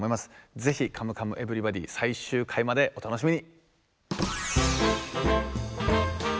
是非「カムカムエヴリバディ」最終回までお楽しみに！